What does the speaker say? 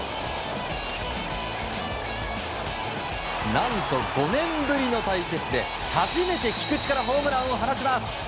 何と５年ぶりの対決で初めて菊池からホームランを放ちます。